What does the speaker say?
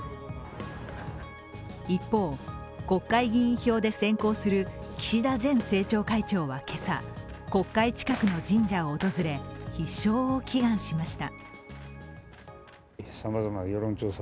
一方、国会議員票で先行する岸田前政調会長は今朝、国会近くの神社を訪れ必勝を祈願しました。